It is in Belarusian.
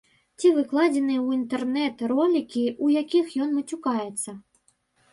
Ці выкладзеныя ў інтэрнэт ролікі, у якіх ён мацюкаецца.